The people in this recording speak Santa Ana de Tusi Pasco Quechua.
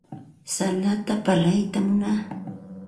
Salata pallaytam munaa.